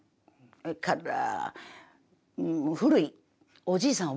それから古いおじいさん